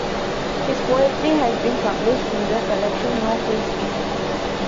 His poetry has been published in the collection "No Free Sleeping".